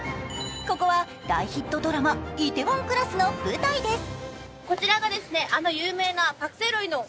ここは大ヒットドラマ「梨泰院クラス」の舞台です。